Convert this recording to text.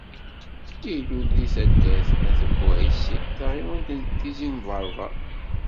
Ilul deg taddart n Ayt Buɛisi, taɣiwant n Tizi n Berber.